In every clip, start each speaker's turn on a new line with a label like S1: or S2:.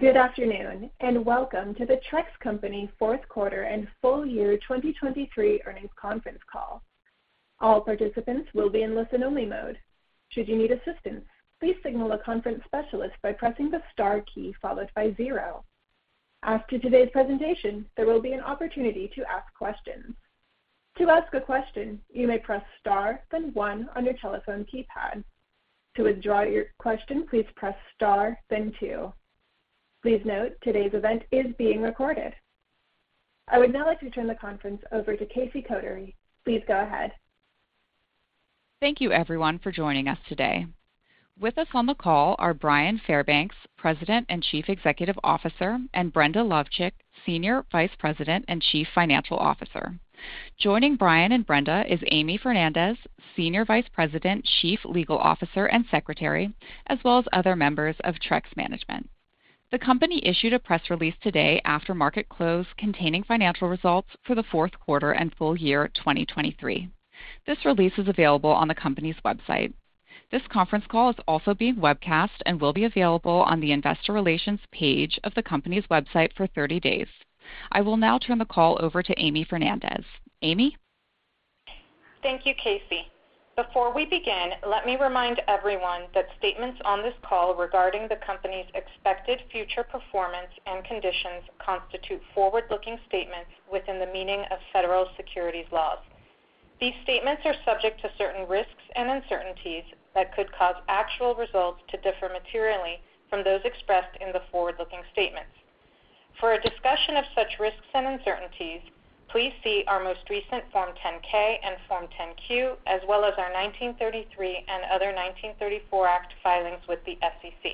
S1: Good afternoon and welcome to the Trex Company fourth quarter and full year 2023 earnings conference call. All participants will be in listen-only mode. Should you need assistance, please signal a conference specialist by pressing the star key followed by zero. After today's presentation, there will be an opportunity to ask questions. To ask a question, you may press star then one on your telephone keypad. To withdraw your question, please press star then two. Please note, today's event is being recorded. I would now like to turn the conference over to Casey Coffey. Please go ahead.
S2: Thank you, everyone, for joining us today. With us on the call are Bryan Fairbanks, President and Chief Executive Officer, and Brenda Lovcik, Senior Vice President and Chief Financial Officer. Joining Bryan and Brenda is Amy Fernandez, Senior Vice President, Chief Legal Officer and Secretary, as well as other members of Trex Management. The company issued a press release today after market close containing financial results for the fourth quarter and full year 2023. This release is available on the company's website. This conference call is also being webcast and will be available on the Investor Relations page of the company's website for 30 days. I will now turn the call over to Amy Fernandez. Amy?
S3: Thank you, Casey. Before we begin, let me remind everyone that statements on this call regarding the company's expected future performance and conditions constitute forward-looking statements within the meaning of federal securities laws. These statements are subject to certain risks and uncertainties that could cause actual results to differ materially from those expressed in the forward-looking statements. For a discussion of such risks and uncertainties, please see our most recent Form 10-K and Form 10-Q, as well as our 1933 and other 1934 Act filings with the SEC.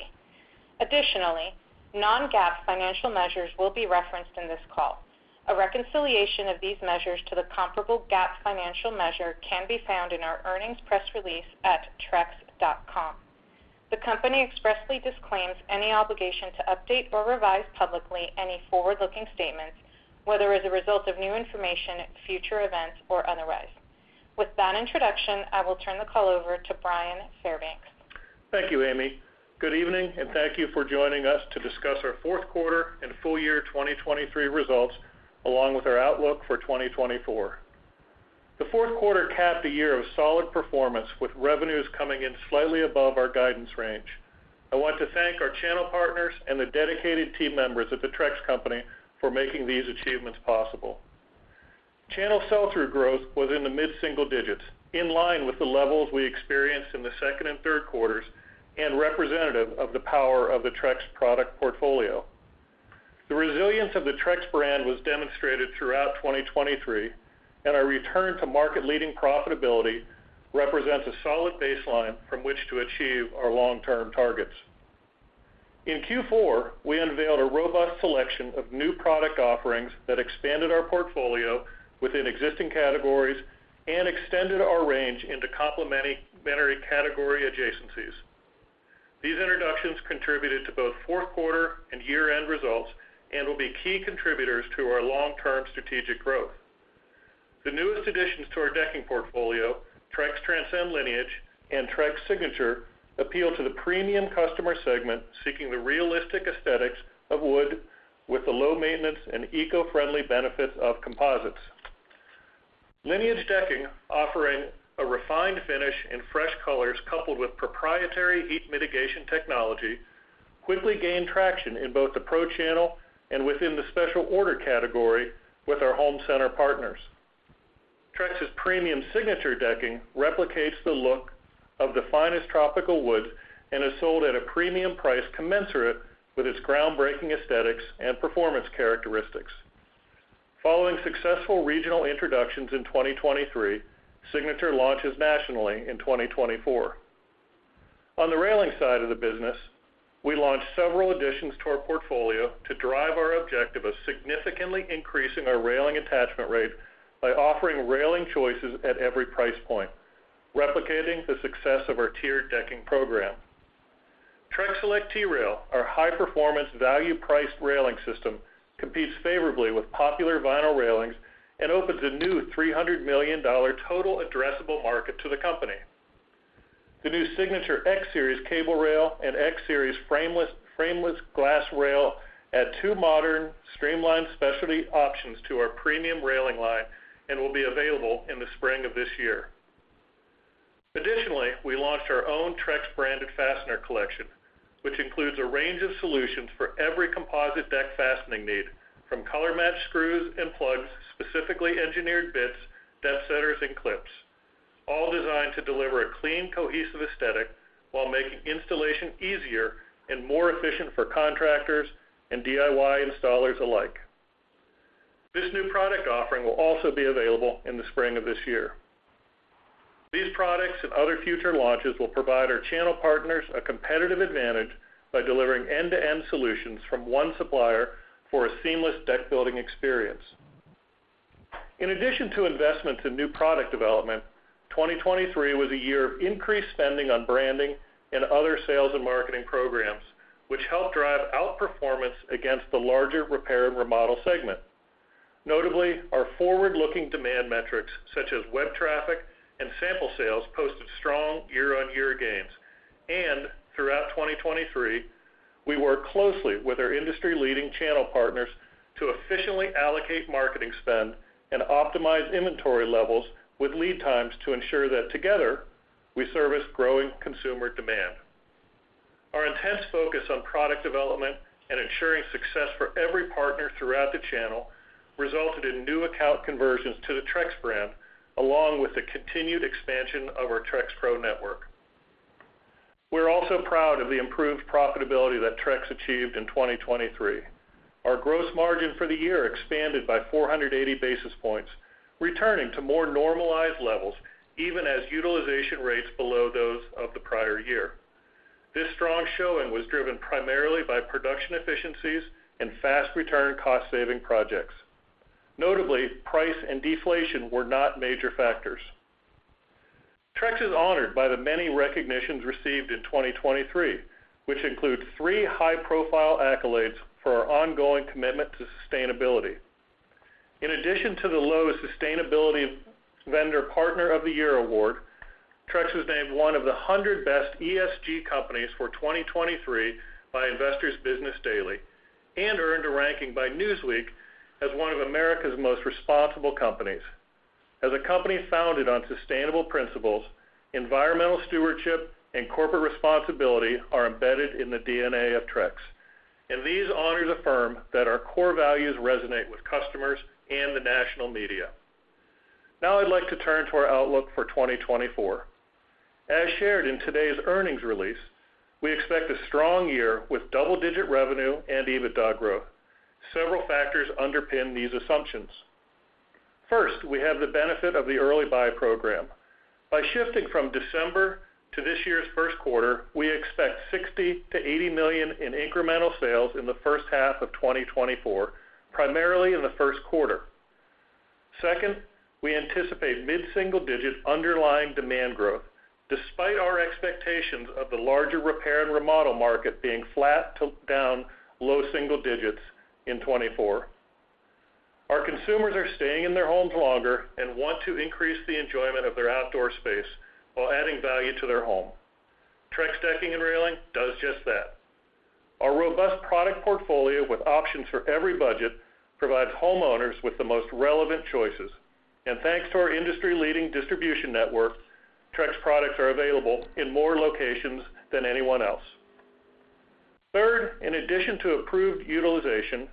S3: Additionally, non-GAAP financial measures will be referenced in this call. A reconciliation of these measures to the comparable GAAP financial measure can be found in our earnings press release at trex.com. The company expressly disclaims any obligation to update or revise publicly any forward-looking statements, whether as a result of new information, future events, or otherwise. With that introduction, I will turn the call over to Bryan Fairbanks.
S4: Thank you, Amy. Good evening and thank you for joining us to discuss our fourth quarter and full year 2023 results along with our outlook for 2024. The fourth quarter capped a year of solid performance with revenues coming in slightly above our guidance range. I want to thank our channel partners and the dedicated team members at the Trex Company for making these achievements possible. Channel sell-through growth was in the mid-single digits, in line with the levels we experienced in the second and third quarters and representative of the power of the Trex product portfolio. The resilience of the Trex brand was demonstrated throughout 2023, and our return to market-leading profitability represents a solid baseline from which to achieve our long-term targets. In Q4, we unveiled a robust selection of new product offerings that expanded our portfolio within existing categories and extended our range into complementary category adjacencies. These introductions contributed to both fourth quarter and year-end results and will be key contributors to our long-term strategic growth. The newest additions to our decking portfolio, Trex Transcend Lineage and Trex Signature, appeal to the premium customer segment seeking the realistic aesthetics of wood with the low maintenance and eco-friendly benefits of composites. Lineage decking, offering a refined finish in fresh colors coupled with proprietary heat mitigation technology, quickly gained traction in both the Pro channel and within the special order category with our home center partners. Trex's premium Signature decking replicates the look of the finest tropical woods and is sold at a premium price commensurate with its groundbreaking aesthetics and performance characteristics. Following successful regional introductions in 2023, Signature launches nationally in 2024. On the railing side of the business, we launched several additions to our portfolio to drive our objective of significantly increasing our railing attachment rate by offering railing choices at every price point, replicating the success of our tiered decking program. Trex Select T-Rail, our high-performance value-priced railing system, competes favorably with popular vinyl railings and opens a new $300 million total addressable market to the company. The new Signature X-Series cable rail and X-Series frameless glass rail add two modern, streamlined specialty options to our premium railing line and will be available in the spring of this year. Additionally, we launched our own Trex branded fastener collection, which includes a range of solutions for every composite deck fastening need, from color-matched screws and plugs to specifically engineered bits, depth setters, and clips, all designed to deliver a clean, cohesive aesthetic while making installation easier and more efficient for contractors and DIY installers alike. This new product offering will also be available in the spring of this year. These products and other future launches will provide our channel partners a competitive advantage by delivering end-to-end solutions from one supplier for a seamless deck-building experience. In addition to investments in new product development, 2023 was a year of increased spending on branding and other sales and marketing programs, which helped drive outperformance against the larger repair and remodel segment. Notably, our forward-looking demand metrics such as web traffic and sample sales posted strong year-on-year gains. Throughout 2023, we worked closely with our industry-leading channel partners to efficiently allocate marketing spend and optimize inventory levels with lead times to ensure that together, we service growing consumer demand. Our intense focus on product development and ensuring success for every partner throughout the channel resulted in new account conversions to the Trex brand, along with the continued expansion of our TrexPro network. We're also proud of the improved profitability that Trex achieved in 2023. Our gross margin for the year expanded by 480 basis points, returning to more normalized levels even as utilization rates below those of the prior year. This strong showing was driven primarily by production efficiencies and fast-return cost-saving projects. Notably, price and deflation were not major factors. Trex is honored by the many recognitions received in 2023, which include three high-profile accolades for our ongoing commitment to sustainability. In addition to the Lowe's Sustainability Vendor Partner of the Year award, Trex was named one of the 100 Best ESG Companies for 2023 by Investor's Business Daily and earned a ranking by Newsweek as one of America's Most Responsible Companies. As a company founded on sustainable principles, environmental stewardship and corporate responsibility are embedded in the DNA of Trex, and these honors affirm that our core values resonate with customers and the national media. Now I'd like to turn to our outlook for 2024. As shared in today's earnings release, we expect a strong year with double-digit revenue and EBITDA growth. Several factors underpin these assumptions. First, we have the benefit of the early buy program. By shifting from December to this year's first quarter, we expect $60 million-$80 million in incremental sales in the first half of 2024, primarily in the first quarter. Second, we anticipate mid-single-digit underlying demand growth despite our expectations of the larger repair and remodel market being flat down low-single digits in 2024. Our consumers are staying in their homes longer and want to increase the enjoyment of their outdoor space while adding value to their home. Trex decking and railing does just that. Our robust product portfolio with options for every budget provides homeowners with the most relevant choices. And thanks to our industry-leading distribution network, Trex products are available in more locations than anyone else. Third, in addition to approved utilization,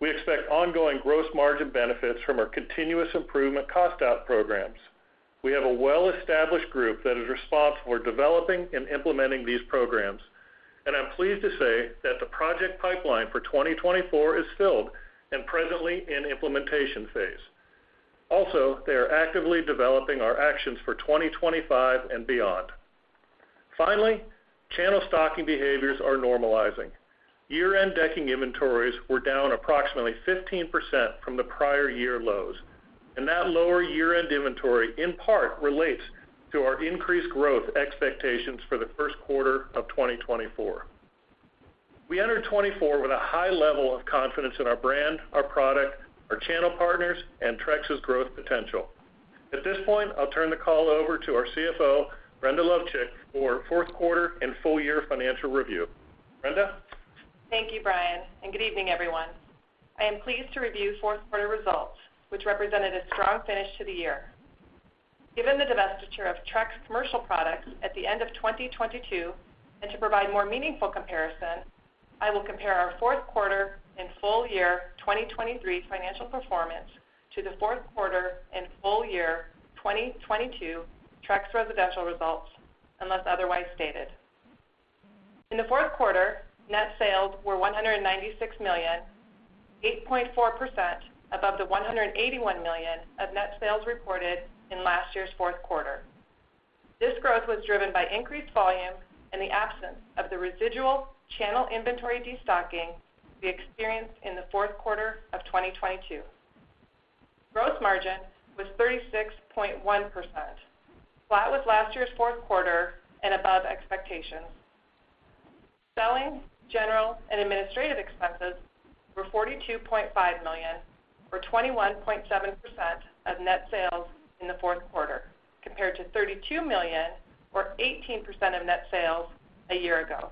S4: we expect ongoing gross margin benefits from our continuous improvement cost-out programs. We have a well-established group that is responsible for developing and implementing these programs, and I'm pleased to say that the project pipeline for 2024 is filled and presently in implementation phase. Also, they are actively developing our actions for 2025 and beyond. Finally, channel stocking behaviors are normalizing. Year-end decking inventories were down approximately 15% from the prior year lows, and that lower year-end inventory in part relates to our increased growth expectations for the first quarter of 2024. We entered 2024 with a high level of confidence in our brand, our product, our channel partners, and Trex's growth potential. At this point, I'll turn the call over to our CFO, Brenda Lovcik, for fourth quarter and full year financial review. Brenda?
S5: Thank you, Bryan, and good evening, everyone. I am pleased to review fourth quarter results, which represented a strong finish to the year. Given the divestiture of Trex Commercial Products at the end of 2022 and to provide more meaningful comparison, I will compare our fourth quarter and full year 2023 financial performance to the fourth quarter and full year 2022 Trex Residential results, unless otherwise stated. In the fourth quarter, net sales were $196 million, 8.4% above the $181 million of net sales reported in last year's fourth quarter. This growth was driven by increased volume and the absence of the residual channel inventory destocking we experienced in the fourth quarter of 2022. Gross margin was 36.1%, flat with last year's fourth quarter and above expectations. Selling, General, and Administrative expenses were $42.5 million, or 21.7% of net sales in the fourth quarter, compared to $32 million, or 18% of net sales a year ago.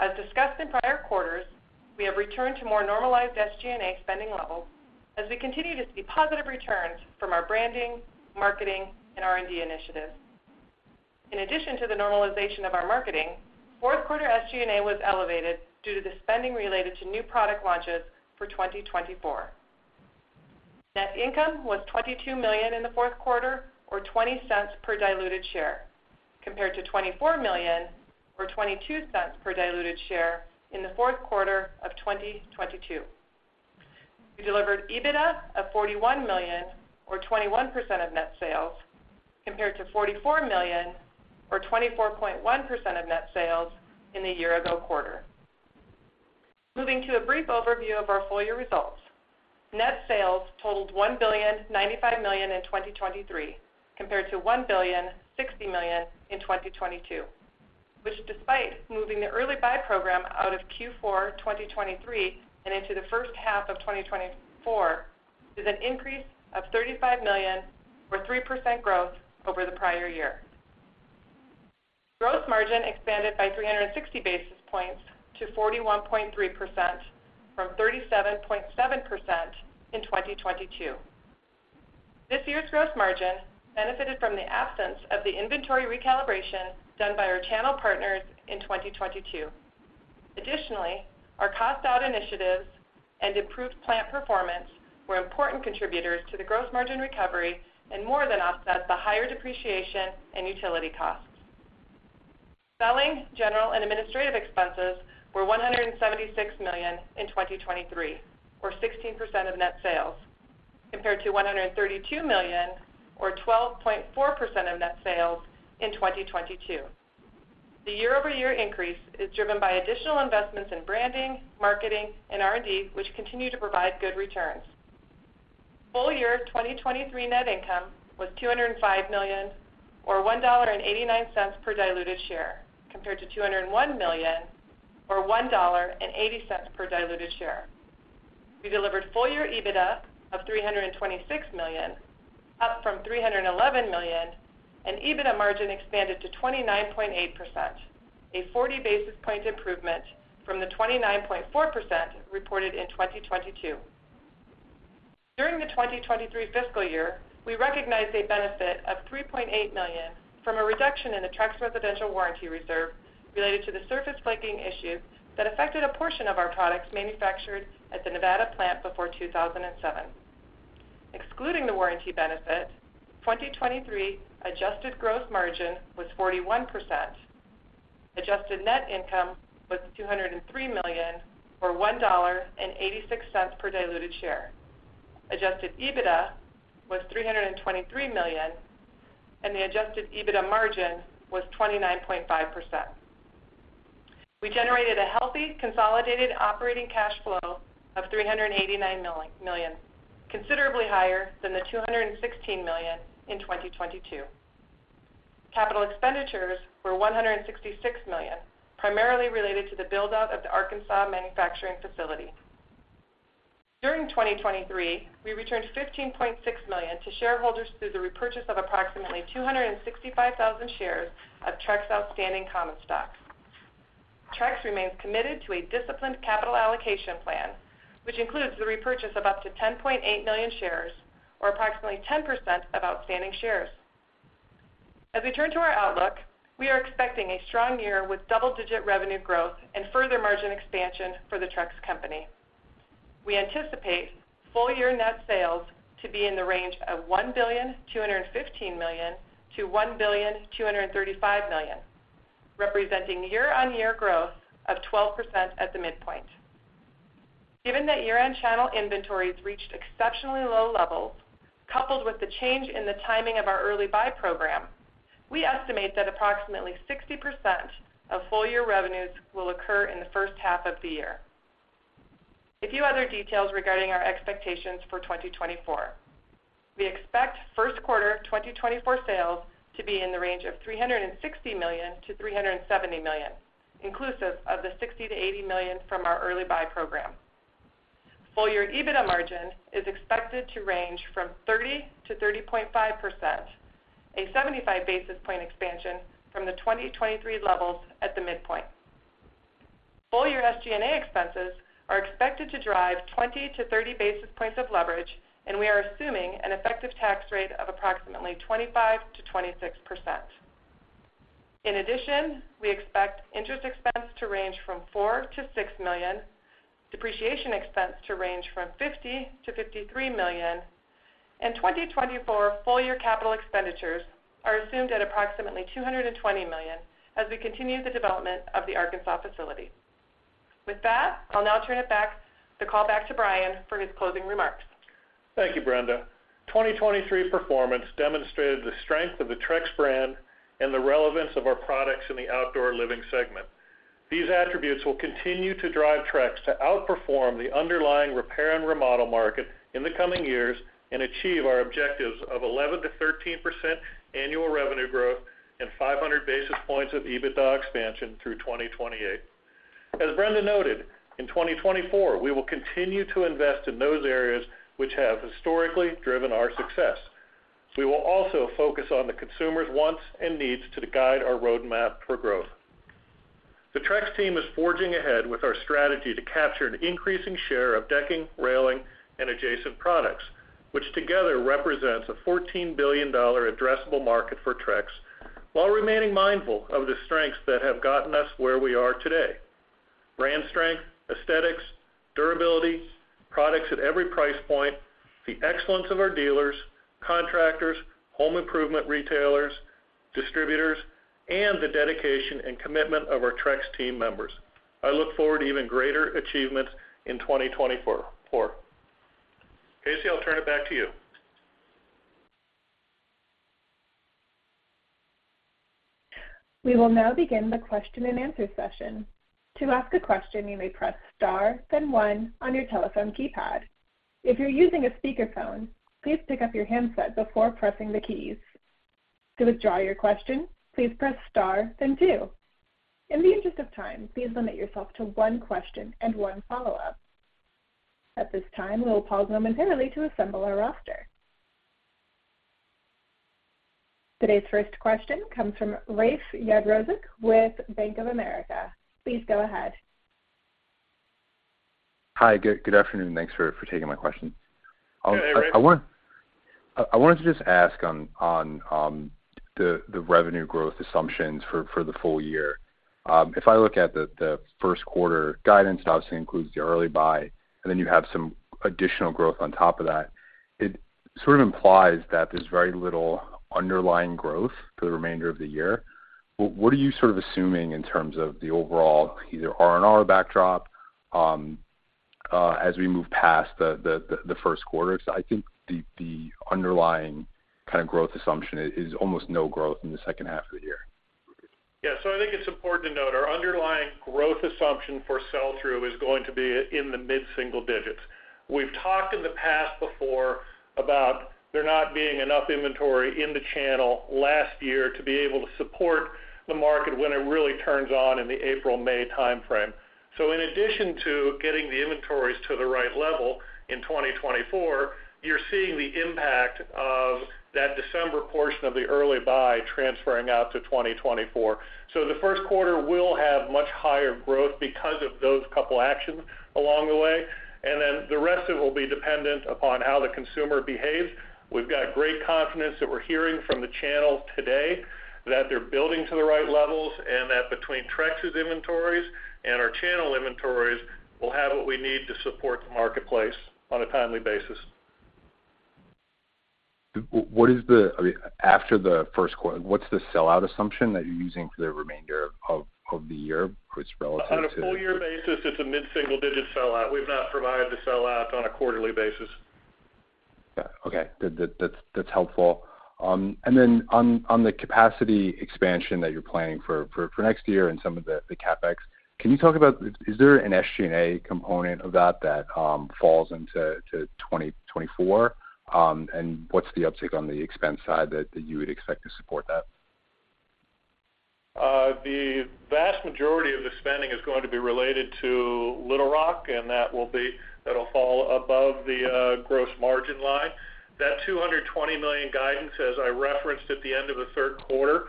S5: As discussed in prior quarters, we have returned to more normalized SG&A spending levels as we continue to see positive returns from our branding, marketing, and R&D initiatives. In addition to the normalization of our marketing, fourth quarter SG&A was elevated due to the spending related to new product launches for 2024. Net income was $22 million in the fourth quarter, or $0.20 per diluted share, compared to $24 million, or $0.22 per diluted share in the fourth quarter of 2022. We delivered EBITDA of $41 million, or 21% of net sales, compared to $44 million, or 24.1% of net sales in the year-ago quarter. Moving to a brief overview of our full year results, net sales totaled $1.095 billion in 2023 compared to $1.060 billion in 2022, which, despite moving the early buy program out of Q4 2023 and into the first half of 2024, is an increase of $35 million, or 3% growth, over the prior year. Gross margin expanded by 360 basis points to 41.3% from 37.7% in 2022. This year's gross margin benefited from the absence of the inventory recalibration done by our channel partners in 2022. Additionally, our cost-out initiatives and improved plant performance were important contributors to the gross margin recovery and more than offset the higher depreciation and utility costs. Selling, general, and administrative expenses were $176 million in 2023, or 16% of net sales, compared to $132 million, or 12.4% of net sales in 2022. The year-over-year increase is driven by additional investments in branding, marketing, and R&D, which continue to provide good returns. Full year 2023 net income was $205 million, or $1.89 per diluted share, compared to $201 million, or $1.80 per diluted share. We delivered full year EBITDA of $326 million, up from $311 million, and EBITDA margin expanded to 29.8%, a 40 basis point improvement from the 29.4% reported in 2022. During the 2023 fiscal year, we recognized a benefit of $3.8 million from a reduction in the Trex residential warranty reserve related to the surface flaking issue that affected a portion of our products manufactured at the Nevada plant before 2007. Excluding the warranty benefit, 2023 adjusted gross margin was 41%. Adjusted net income was $203 million, or $1.86 per diluted share. Adjusted EBITDA was $323 million, and the adjusted EBITDA margin was 29.5%. We generated a healthy, consolidated operating cash flow of $389 million, considerably higher than the $216 million in 2022. Capital expenditures were $166 million, primarily related to the buildout of the Arkansas manufacturing facility. During 2023, we returned $15.6 million to shareholders through the repurchase of approximately 265,000 shares of Trex outstanding common stock. Trex remains committed to a disciplined capital allocation plan, which includes the repurchase of up to 10.8 million shares, or approximately 10% of outstanding shares. As we turn to our outlook, we are expecting a strong year with double-digit revenue growth and further margin expansion for the Trex Company. We anticipate full year net sales to be in the range of $1.215 billion-$1.235 billion, representing year-on-year growth of 12% at the midpoint. Given that year-end channel inventories reached exceptionally low levels, coupled with the change in the timing of our early buy program, we estimate that approximately 60% of full year revenues will occur in the first half of the year. A few other details regarding our expectations for 2024. We expect first quarter 2024 sales to be in the range of $360 million-$370 million, inclusive of the $60 million-$80 million from our early buy program. Full year EBITDA margin is expected to range from 30%-30.5%, a 75 basis point expansion from the 2023 levels at the midpoint. Full year SG&A expenses are expected to drive 20 to 30 basis points of leverage, and we are assuming an effective tax rate of approximately 25%-26%. In addition, we expect interest expense to range from $4 million-$6 million, depreciation expense to range from $50 million-$53 million, and 2024 full year capital expenditures are assumed at approximately $220 million as we continue the development of the Arkansas facility. With that, I'll now turn the call back to Bryan for his closing remarks.
S4: Thank you, Brenda. 2023 performance demonstrated the strength of the Trex brand and the relevance of our products in the outdoor living segment. These attributes will continue to drive Trex to outperform the underlying repair and remodel market in the coming years and achieve our objectives of 11%-13% annual revenue growth and 500 basis points of EBITDA expansion through 2028. As Brenda noted, in 2024, we will continue to invest in those areas which have historically driven our success. We will also focus on the consumer's wants and needs to guide our roadmap for growth. The Trex team is forging ahead with our strategy to capture an increasing share of decking, railing, and adjacent products, which together represents a $14 billion addressable market for Trex while remaining mindful of the strengths that have gotten us where we are today: brand strength, aesthetics, durability, products at every price point, the excellence of our dealers, contractors, home improvement retailers, distributors, and the dedication and commitment of our Trex team members. I look forward to even greater achievements in 2024. Casey, I'll turn it back to you.
S1: We will now begin the question and answer session. To ask a question, you may press star, then one, on your telephone keypad. If you're using a speakerphone, please pick up your handset before pressing the keys. To withdraw your question, please press star, then two. In the interest of time, please limit yourself to one question and one follow-up. At this time, we will pause momentarily to assemble our roster. Today's first question comes from Rafe Jadrosich with Bank of America. Please go ahead.
S6: Hi. Good afternoon. Thanks for taking my question. I wanted to just ask on the revenue growth assumptions for the full year. If I look at the first quarter guidance, it obviously includes the early buy, and then you have some additional growth on top of that, it sort of implies that there's very little underlying growth for the remainder of the year. What are you sort of assuming in terms of the overall R&R backdrop as we move past the first quarter? Because I think the underlying kind of growth assumption is almost no growth in the second half of the year.
S4: Yeah. So, I think it's important to note our underlying growth assumption for sell-through is going to be in the mid-single digits. We've talked in the past before about there not being enough inventory in the channel last year to be able to support the market when it really turns on in the April, May timeframe. So, in addition to getting the inventories to the right level in 2024, you're seeing the impact of that December portion of the early buy transferring out to 2024. So, the first quarter will have much higher growth because of those couple actions along the way, and then the rest of it will be dependent upon how the consumer behaves. We've got great confidence that we're hearing from the channel today that they're building to the right levels and that between Trex's inventories and our channel inventories we'll have what we need to support the marketplace on a timely basis.
S6: I mean, after the first quarter, what's the sell-out assumption that you're using for the remainder of the year? It's relative to.
S4: On a full year basis, it's a mid-single digit sell-through. We've not provided the sell-through on a quarterly basis.
S6: Okay. That's helpful. And then on the capacity expansion that you're planning for next year and some of the CapEx, can you talk about is there an SG&A component of that that falls into 2024, and what's the uptake on the expense side that you would expect to support that?
S4: The vast majority of the spending is going to be related to Little Rock, and that'll fall above the gross margin line. That $220 million guidance, as I referenced at the end of the third quarter,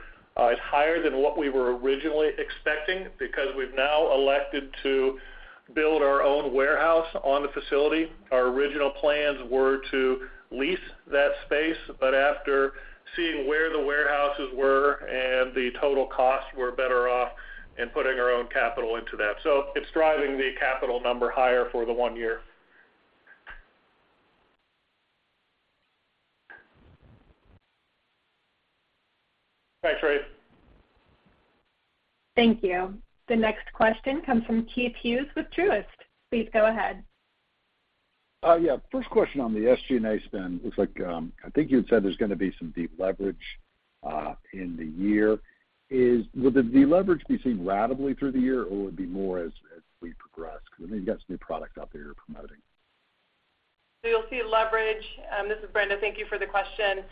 S4: is higher than what we were originally expecting because we've now elected to build our own warehouse on the facility. Our original plans were to lease that space, but after seeing where the warehouses were and the total costs, we're better off investing our own capital into that. So it's driving the capital number higher for the one year. Thanks, Rafe.
S1: Thank you. The next question comes from Keith Hughes with Truist. Please go ahead.
S7: Yeah. First question on the SG&A spend. Looks like I think you had said there's going to be some deep leverage in the year. Will the leverage be seen gradually through the year, or will it be more as we progress? Because I think you've got some new products out there you're promoting.
S5: So, you'll see leverage. This is Brenda. Thank you for the question.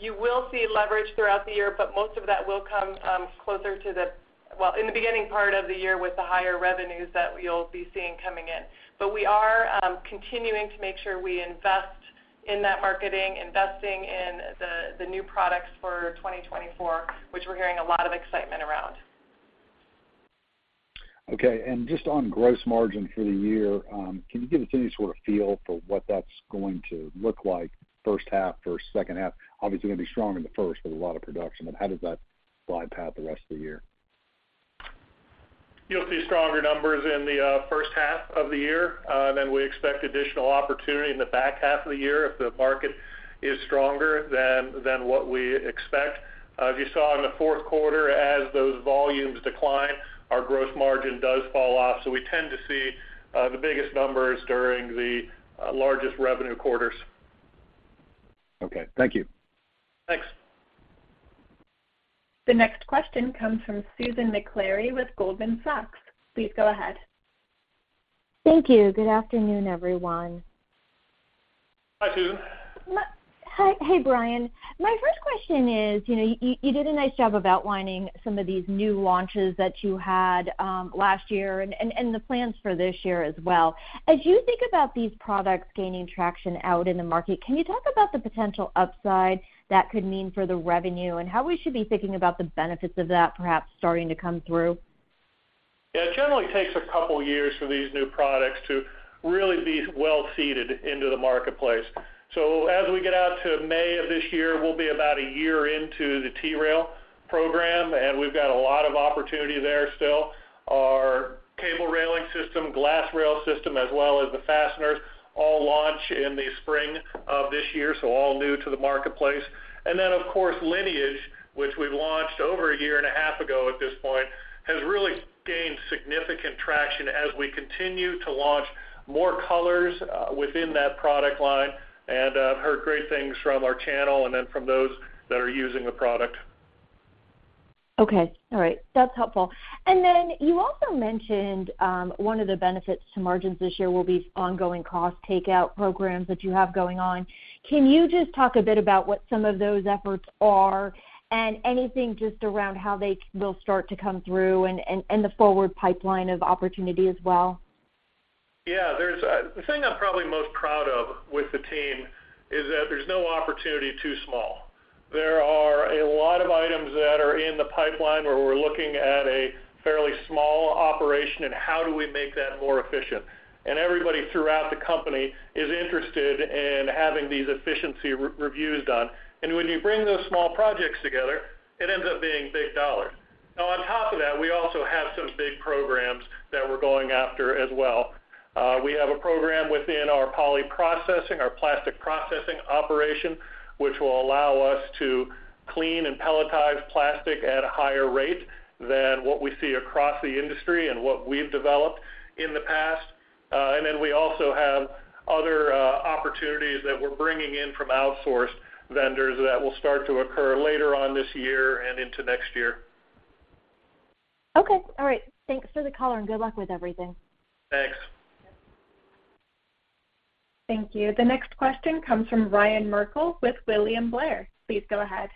S5: You will see leverage throughout the year, but most of that will come closer to the well, in the beginning part of the year with the higher revenues that you'll be seeing coming in. But we are continuing to make sure we invest in that marketing, investing in the new products for 2024, which we're hearing a lot of excitement around.
S7: Okay. Just on gross margin for the year, can you give us any sort of feel for what that's going to look like first half, second half? Obviously, it's going to be strong in the first with a lot of production, but how does that slide past the rest of the year?
S4: You'll see stronger numbers in the first half of the year, and then we expect additional opportunity in the back half of the year if the market is stronger than what we expect. As you saw in the fourth quarter, as those volumes decline, our gross margin does fall off. So we tend to see the biggest numbers during the largest revenue quarters.
S7: Okay. Thank you.
S4: Thanks.
S1: The next question comes from Susan Maklari with Goldman Sachs. Please go ahead.
S8: Thank you. Good afternoon, everyone.
S4: Hi, Susan.
S8: Hey, Bryan. My first question is, you did a nice job of outlining some of these new launches that you had last year and the plans for this year as well. As you think about these products gaining traction out in the market, can you talk about the potential upside that could mean for the revenue and how we should be thinking about the benefits of that perhaps starting to come through?
S4: Yeah. It generally takes a couple of years for these new products to really be well-seeded into the marketplace. So, as we get out to May of this year, we'll be about a year into the T-Rail program, and we've got a lot of opportunity there still. Our cable railing system, glass rail system, as well as the fasteners, all launch in the spring of this year, so all new to the marketplace. And then, of course, Lineage, which we've launched over a year and a half ago at this point, has really gained significant traction as we continue to launch more colors within that product line. And I've heard great things from our channel and then from those that are using the product.
S8: Okay. All right. That's helpful. And then, you also mentioned one of the benefits to margins this year will be ongoing cost takeout programs that you have going on. Can you just talk a bit about what some of those efforts are and anything just around how they will start to come through and the forward pipeline of opportunity as well?
S4: Yeah. The thing I'm probably most proud of with the team is that there's no opportunity too small. There are a lot of items that are in the pipeline where we're looking at a fairly small operation and how do we make that more efficient. And everybody throughout the company is interested in having these efficiency reviews done. And when you bring those small projects together, it ends up being big dollars. Now, on top of that, we also have some big programs that we're going after as well. We have a program within our poly processing, our plastic processing operation, which will allow us to clean and pelletize plastic at a higher rate than what we see across the industry and what we've developed in the past. And then we also have other opportunities that we're bringing in from outsourced vendors that will start to occur later on this year and into next year.
S8: Okay. All right. Thanks for the color, and good luck with everything.
S4: Thanks.
S1: Thank you. The next question comes from Ryan Merkel with William Blair. Please go ahead.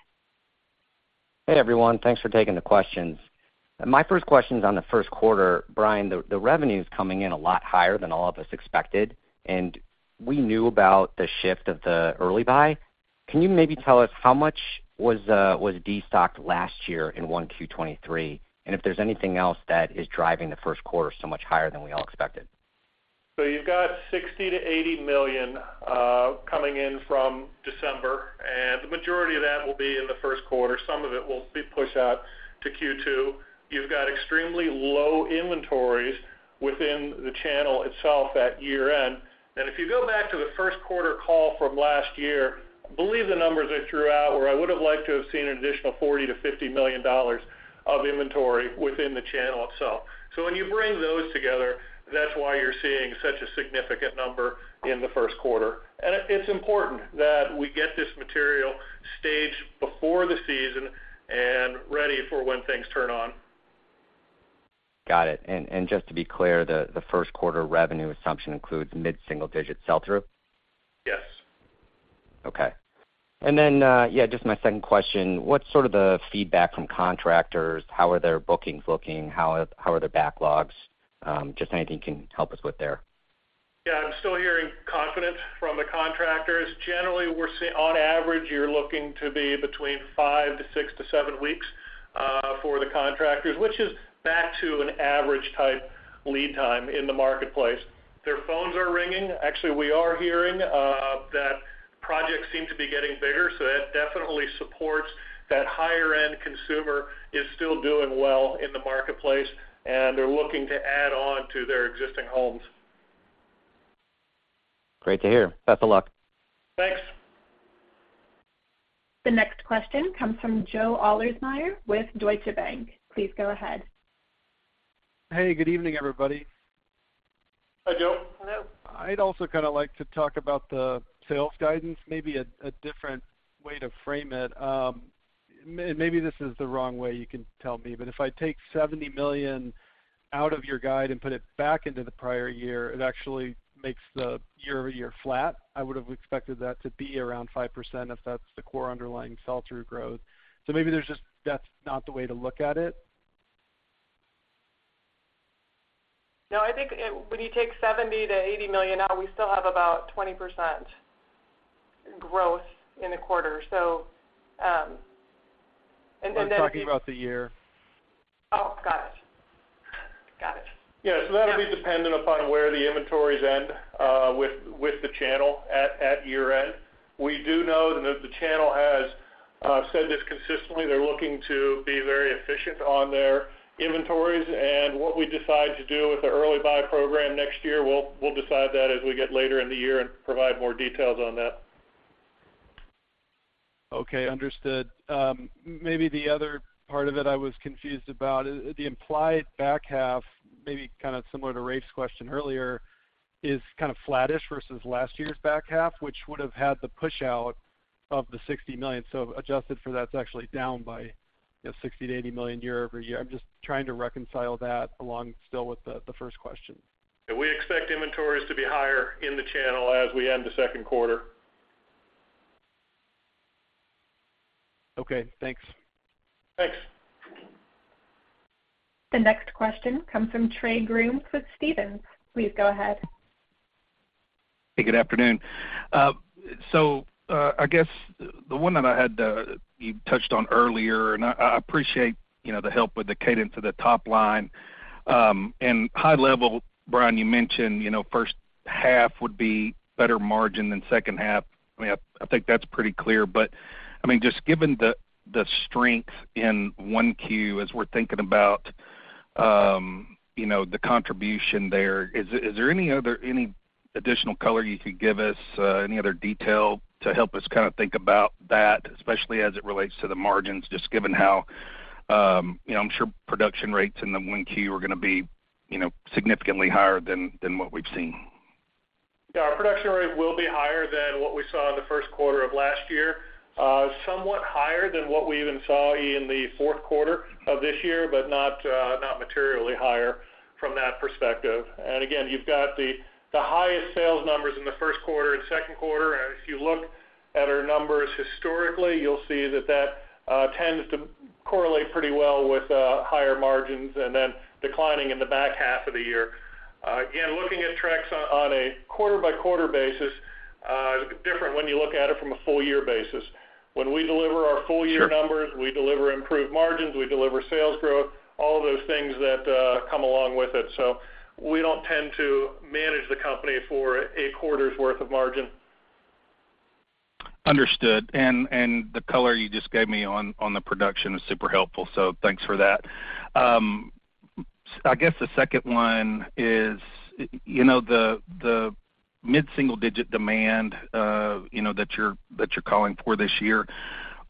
S9: Hey, everyone. Thanks for taking the questions. My first question is on the first quarter. Bryan, the revenue is coming in a lot higher than all of us expected, and we knew about the shift of the early buy. Can you maybe tell us how much was destocked last year in 1Q23 and if there's anything else that is driving the first quarter so much higher than we all expected?
S4: So you've got $60 million-$80 million coming in from December, and the majority of that will be in the first quarter. Some of it will be pushed out to Q2. You've got extremely low inventories within the channel itself at year-end. And if you go back to the first quarter call from last year, I believe the numbers are throughout where I would have liked to have seen an additional $40 million-$50 million of inventory within the channel itself. So when you bring those together, that's why you're seeing such a significant number in the first quarter. And it's important that we get this material staged before the season and ready for when things turn on.
S9: Got it. Just to be clear, the first quarter revenue assumption includes mid-single digit sell-through?
S4: Yes.
S9: Okay. And then, yeah, just my second question, what's sort of the feedback from contractors? How are their bookings looking? How are their backlogs? Just anything you can help us with there.
S4: Yeah. I'm still hearing confidence from the contractors. Generally, on average, you're looking to be between 5 to 6 to 7 weeks for the contractors, which is back to an average-type lead time in the marketplace. Their phones are ringing. Actually, we are hearing that projects seem to be getting bigger, so that definitely supports that higher-end consumer is still doing well in the marketplace, and they're looking to add on to their existing homes.
S9: Great to hear. Best of luck.
S4: Thanks.
S1: The next question comes from Joe Ahlersmeyer with Deutsche Bank. Please go ahead.
S10: Hey. Good evening, everybody.
S4: Hi, Joe.
S5: Hello.
S10: I'd also kind of like to talk about the sales guidance, maybe a different way to frame it. And maybe this is the wrong way you can tell me, but if I take $70 million out of your guide and put it back into the prior year, it actually makes the year-over-year flat. I would have expected that to be around 5% if that's the core underlying sell-through growth. So maybe that's not the way to look at it.
S5: No. I think when you take $70 million-$80 million out, we still have about 20% growth in the quarter.
S10: I'm talking about the year.
S5: Oh, got it. Got it.
S4: Yeah. So that'll be dependent upon where the inventories end with the channel at year-end. We do know that the channel has said this consistently. They're looking to be very efficient on their inventories. And what we decide to do with the early buy program next year, we'll decide that as we get later in the year and provide more details on that.
S10: Okay. Understood. Maybe the other part of it I was confused about, the implied back half, maybe kind of similar to Rafe's question earlier, is kind of flattish versus last year's back half, which would have had the push-out of the $60 million. So adjusted for that, it's actually down by $60 million-$80 million year-over-year. I'm just trying to reconcile that along still with the first question.
S4: Yeah. We expect inventories to be higher in the channel as we end the second quarter.
S10: Okay. Thanks.
S4: Thanks.
S1: The next question comes from Trey Grooms with Stephens. Please go ahead.
S11: Hey. Good afternoon. So I guess the one that I had you touched on earlier, and I appreciate the help with the cadence of the top line. And high level, Bryan, you mentioned first half would be better margin than second half. I mean, I think that's pretty clear. But I mean, just given the strength in 1Q as we're thinking about the contribution there, is there any additional color you could give us, any other detail to help us kind of think about that, especially as it relates to the margins, just given how I'm sure production rates in the 1Q are going to be significantly higher than what we've seen.
S4: Yeah. Our production rate will be higher than what we saw in the first quarter of last year, somewhat higher than what we even saw in the fourth quarter of this year, but not materially higher from that perspective. And again, you've got the highest sales numbers in the first quarter and second quarter. And if you look at our numbers historically, you'll see that that tends to correlate pretty well with higher margins and then declining in the back half of the year. Again, looking at Trex on a quarter-by-quarter basis, it's different when you look at it from a full-year basis. When we deliver our full-year numbers, we deliver improved margins. We deliver sales growth, all of those things that come along with it. So we don't tend to manage the company for a quarter's worth of margin.
S11: Understood. And the color you just gave me on the production is super helpful, so thanks for that. I guess the second one is the mid-single digit demand that you're calling for this year.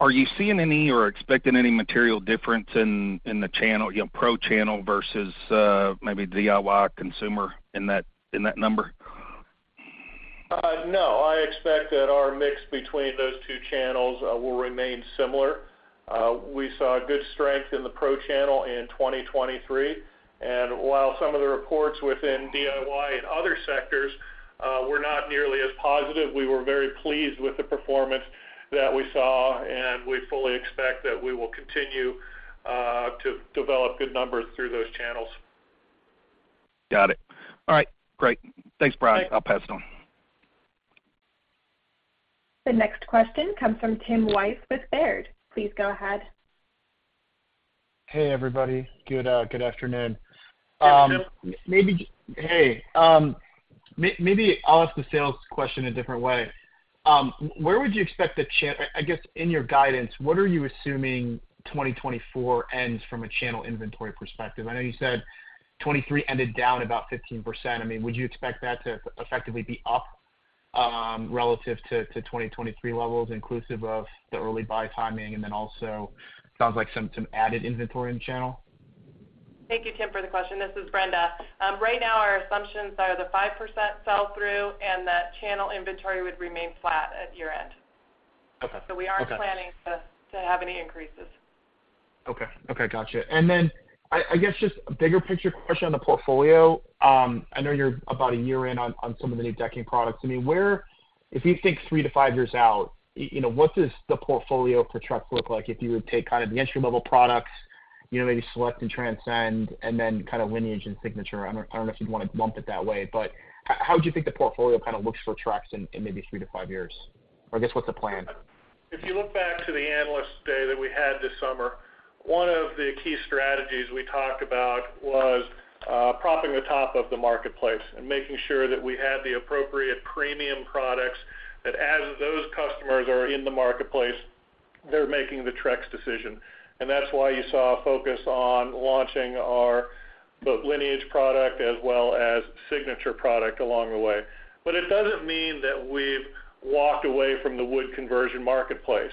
S11: Are you seeing any or expecting any material difference in the Pro channel versus maybe DIY consumer in that number?
S4: No. I expect that our mix between those two channels will remain similar. We saw good strength in the Pro channel in 2023. And while some of the reports within DIY and other sectors were not nearly as positive, we were very pleased with the performance that we saw, and we fully expect that we will continue to develop good numbers through those channels.
S11: Got it. All right. Great. Thanks, Bryan. I'll pass it on.
S1: The next question comes from Tim Wojs with Baird. Please go ahead.
S12: Hey, everybody. Good afternoon.
S4: Hey, Tim.
S12: Hey. Maybe I'll ask the sales question a different way. Where would you expect the channel, I guess, in your guidance, what are you assuming 2024 ends from a channel inventory perspective? I know you said 2023 ended down about 15%. I mean, would you expect that to effectively be up relative to 2023 levels inclusive of the early buy timing, and then also sounds like some added inventory in the channel?
S5: Thank you, Tim, for the question. This is Brenda. Right now, our assumptions are the 5% sell-through and that channel inventory would remain flat at year-end. So we aren't planning to have any increases.
S12: Okay. Gotcha. And then I guess just a bigger picture question on the portfolio. I know you're about a year in on some of the new decking products. I mean, if you think 3 years-5 years out, what does the portfolio for Trex look like if you would take kind of the entry-level products, maybe Select and Transcend, and then kind of Lineage and Signature? I don't know if you'd want to lump it that way, but how would you think the portfolio kind of looks for Trex in maybe 3 years-5 years? Or I guess what's the plan?
S4: If you look back to the analysts' day that we had this summer, one of the key strategies we talked about was propping the top of the marketplace and making sure that we had the appropriate premium products that as those customers are in the marketplace, they're making the Trex decision. And that's why you saw a focus on launching our both Lineage product as well as Signature product along the way. But it doesn't mean that we've walked away from the wood conversion marketplace.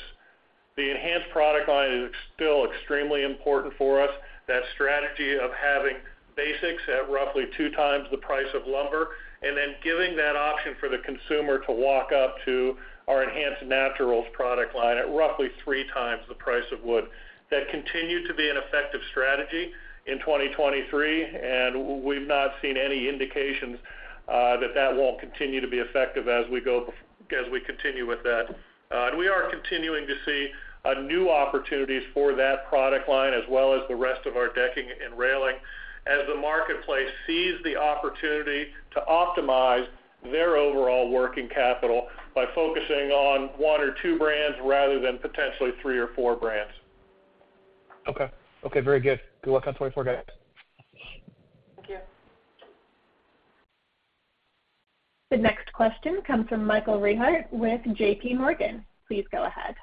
S4: The Enhance product line is still extremely important for us, that strategy of having basics at roughly two times the price of lumber and then giving that option for the consumer to walk up to our Enhance Naturals product line at roughly three times the price of wood. That continued to be an effective strategy in 2023, and we've not seen any indications that that won't continue to be effective as we continue with that. We are continuing to see new opportunities for that product line as well as the rest of our decking and railing as the marketplace sees the opportunity to optimize their overall working capital by focusing on one or two brands rather than potentially three or four brands.
S12: Okay. Very good. Good luck on 2024, guys.
S5: Thank you.
S1: The next question comes from Michael Rehaut with JP Morgan. Please go ahead.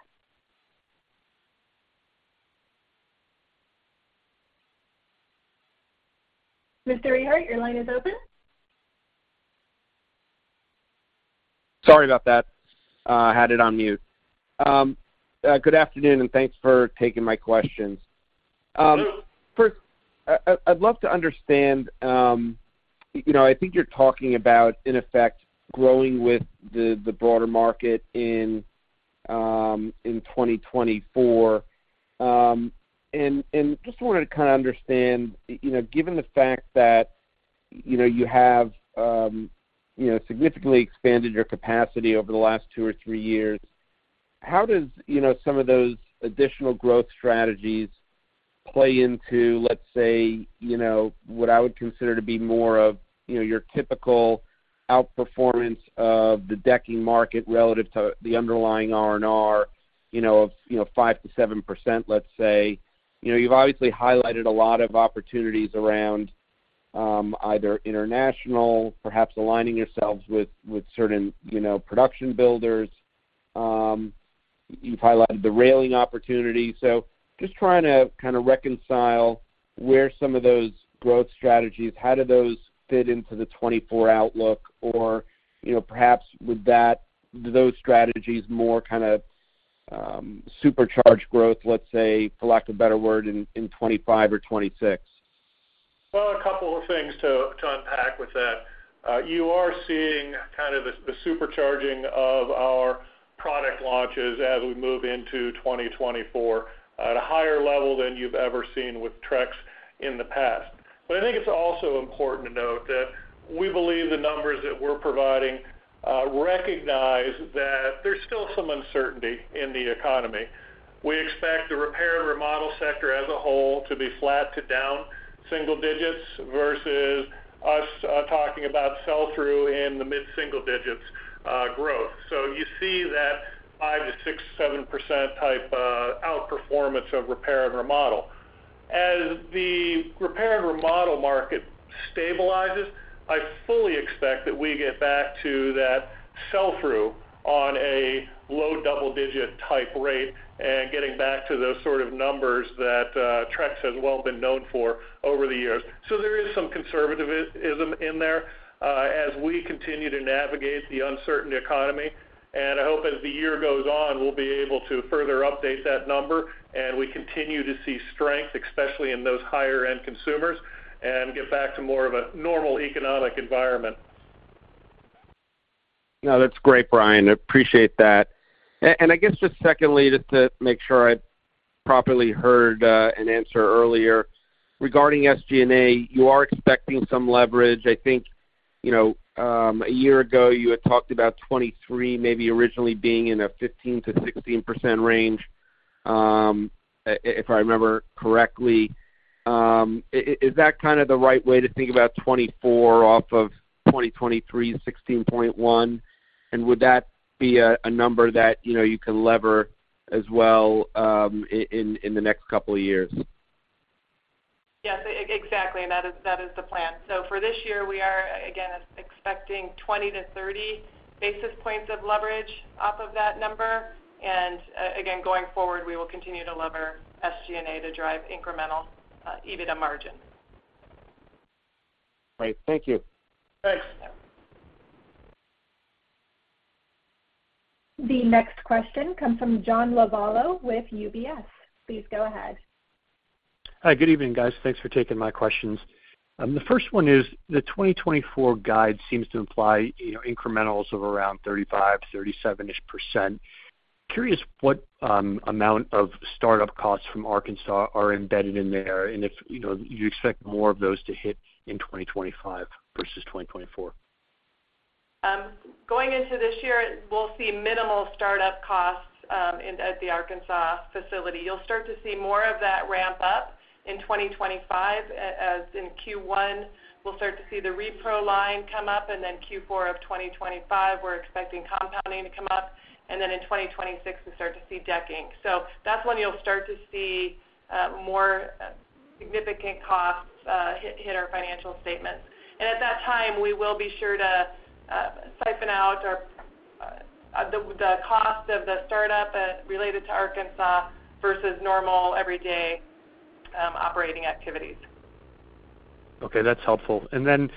S1: Mr. Rehaut, your line is open.
S13: Sorry about that. I had it on mute. Good afternoon, and thanks for taking my questions. I'd love to understand. I think you're talking about, in effect, growing with the broader market in 2024. And just wanted to kind of understand, given the fact that you have significantly expanded your capacity over the last two or three years, how does some of those additional growth strategies play into, let's say, what I would consider to be more of your typical outperformance of the decking market relative to the underlying R&R of 5%-7%, let's say? You've obviously highlighted a lot of opportunities around either international, perhaps aligning yourselves with certain production builders. You've highlighted the railing opportunity. So just trying to kind of reconcile where some of those growth strategies, how do those fit into the 2024 outlook? Or perhaps with those strategies more kind of supercharged growth, let's say, for lack of a better word, in 2025 or 2026?
S4: Well, a couple of things to unpack with that. You are seeing kind of the supercharging of our product launches as we move into 2024 at a higher level than you've ever seen with Trex in the past. But I think it's also important to note that we believe the numbers that we're providing recognize that there's still some uncertainty in the economy. We expect the repair and remodel sector as a whole to be flat to down single digits versus us talking about sell-through in the mid-single digits growth. So you see that 5%-7% type outperformance of repair and remodel. As the repair and remodel market stabilizes, I fully expect that we get back to that sell-through on a low double-digit type rate and getting back to those sort of numbers that Trex has well been known for over the years. There is some conservatism in there as we continue to navigate the uncertain economy. I hope as the year goes on, we'll be able to further update that number, and we continue to see strength, especially in those higher-end consumers, and get back to more of a normal economic environment.
S13: No, that's great, Bryan. I appreciate that. And I guess just secondly, just to make sure I properly heard an answer earlier, regarding SG&A, you are expecting some leverage. I think a year ago, you had talked about 2023 maybe originally being in a 15%-16% range, if I remember correctly. Is that kind of the right way to think about 2024 off of 2023's 16.1%? And would that be a number that you can lever as well in the next couple of years?
S5: Yes. Exactly. That is the plan. So for this year, we are, again, expecting 20-30 basis points of leverage off of that number. And again, going forward, we will continue to lever SG&A to drive incremental, EBITDA margin.
S13: Great. Thank you.
S4: Thanks.
S1: The next question comes from John Lovallo with UBS. Please go ahead.
S14: Hi. Good evening, guys. Thanks for taking my questions. The first one is the 2024 guide seems to imply incremental of around 35%-37%-ish. Curious what amount of startup costs from Arkansas are embedded in there and if you expect more of those to hit in 2025 versus 2024?
S5: Going into this year, we'll see minimal startup costs at the Arkansas facility. You'll start to see more of that ramp up in 2025. In Q1, we'll start to see the repro line come up. And then Q4 of 2025, we're expecting compounding to come up. And then in 2026, we start to see decking. So that's when you'll start to see more significant costs hit our financial statements. And at that time, we will be sure to siphon out the cost of the startup related to Arkansas versus normal everyday operating activities.
S14: Okay. That's helpful. And then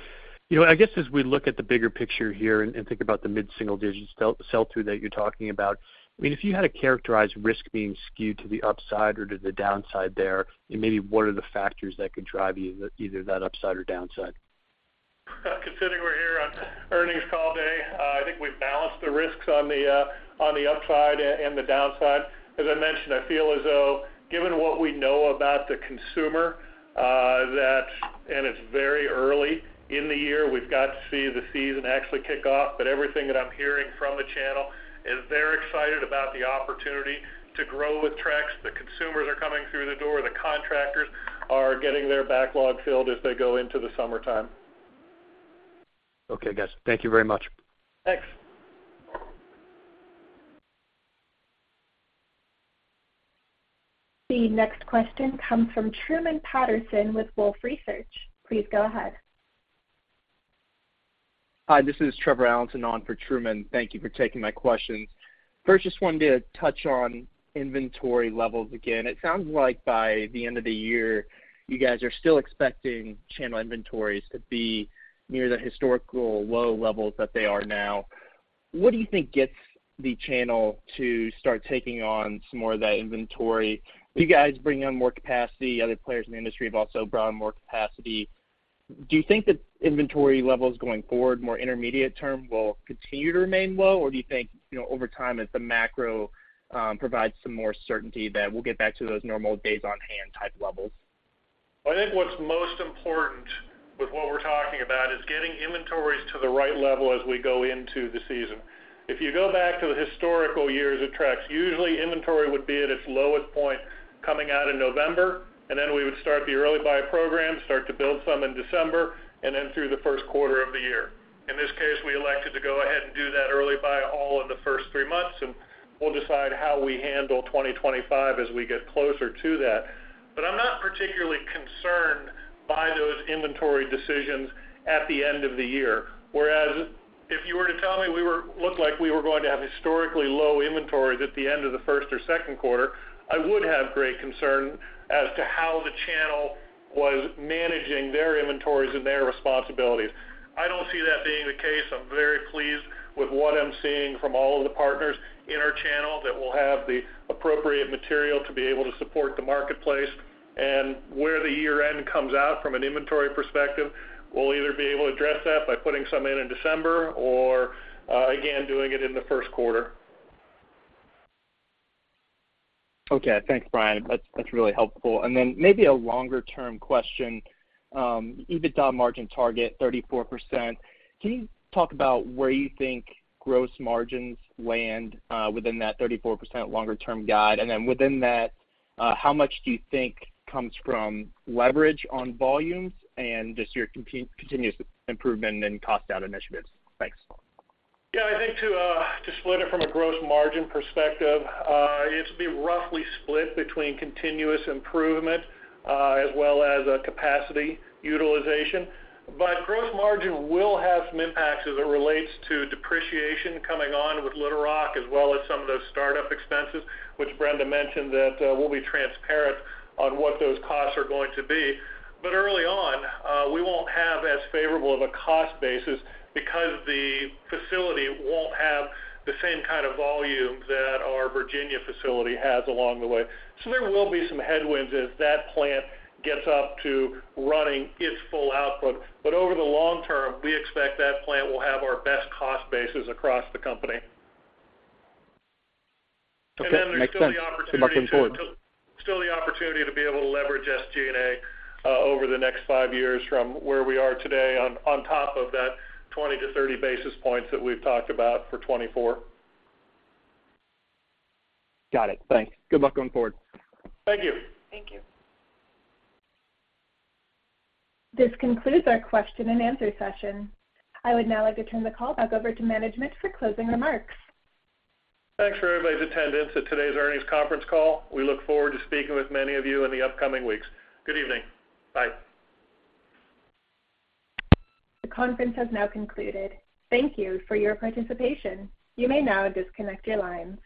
S14: I guess as we look at the bigger picture here and think about the mid-single digit sell-through that you're talking about, I mean, if you had to characterize risk being skewed to the upside or to the downside there, maybe what are the factors that could drive either that upside or downside?
S4: Considering we're here on earnings call day, I think we've balanced the risks on the upside and the downside. As I mentioned, I feel as though given what we know about the consumer, and it's very early in the year, we've got to see the season actually kick off. But everything that I'm hearing from the channel is they're excited about the opportunity to grow with Trex. The consumers are coming through the door. The contractors are getting their backlog filled as they go into the summertime.
S14: Okay, guys. Thank you very much.
S4: Thanks.
S1: The next question comes from Truman Patterson with Wolfe Research. Please go ahead.
S15: Hi. This is Trevor Allinson on for Truman. Thank you for taking my questions. First, just wanted to touch on inventory levels again. It sounds like by the end of the year, you guys are still expecting channel inventories to be near the historical low levels that they are now. What do you think gets the channel to start taking on some more of that inventory? You guys bring on more capacity. Other players in the industry have also brought on more capacity. Do you think that inventory levels going forward, more intermediate term, will continue to remain low? Or do you think over time, as the macro provides some more certainty, that we'll get back to those normal days-on-hand type levels?
S4: I think what's most important with what we're talking about is getting inventories to the right level as we go into the season. If you go back to the historical years of Trex, usually, inventory would be at its lowest point coming out in November. And then we would start the early buy program, start to build some in December, and then through the first quarter of the year. In this case, we elected to go ahead and do that early buy all in the first three months. And we'll decide how we handle 2025 as we get closer to that. But I'm not particularly concerned by those inventory decisions at the end of the year. Whereas if you were to tell me we looked like we were going to have historically low inventory at the end of the first or second quarter, I would have great concern as to how the channel was managing their inventories and their responsibilities. I don't see that being the case. I'm very pleased with what I'm seeing from all of the partners in our channel that will have the appropriate material to be able to support the marketplace. Where the year-end comes out from an inventory perspective, we'll either be able to address that by putting some in in December or, again, doing it in the first quarter.
S15: Okay. Thanks, Bryan. That's really helpful. And then maybe a longer-term question. End-goal margin target, 34%. Can you talk about where you think gross margins land within that 34% longer-term guide? And then within that, how much do you think comes from leverage on volumes and just your continuous improvement and cost-out initiatives? Thanks.
S4: Yeah. I think to split it from a gross margin perspective, it'd be roughly split between continuous improvement as well as capacity utilization. But gross margin will have some impacts as it relates to depreciation coming on with Little Rock as well as some of those startup expenses, which Brenda mentioned that we'll be transparent on what those costs are going to be. But early on, we won't have as favorable of a cost basis because the facility won't have the same kind of volume that our Virginia facility has along the way. So there will be some headwinds as that plant gets up to running its full output. But over the long term, we expect that plant will have our best cost basis across the company. And then there's still the opportunity to. Still the opportunity to be able to leverage SG&A over the next five years from where we are today on top of that 20-30 basis points that we've talked about for 2024.
S15: Got it. Thanks. Good luck going forward.
S4: Thank you.
S5: Thank you.
S1: This concludes our question and answer session. I would now like to turn the call back over to management for closing remarks.
S4: Thanks for everybody's attendance at today's earnings conference call. We look forward to speaking with many of you in the upcoming weeks. Good evening. Bye.
S1: The conference has now concluded. Thank you for your participation. You may now disconnect your lines.